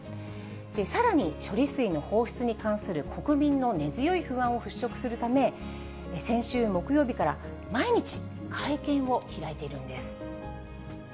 さらに、処理水の放出に関する国民の根強い不安を払拭するため、先週木曜日から毎日、会見を開いているんです。